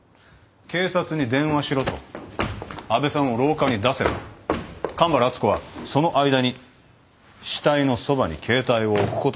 警察に電話しろと安部さんを廊下に出せば神原敦子はその間に死体のそばに携帯を置くことができる。